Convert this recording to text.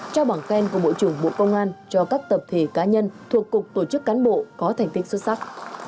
trao bằng khen của bộ trưởng bộ công an cho các tập thể cá nhân thuộc cục tổ chức cán bộ có thành tích xuất sắc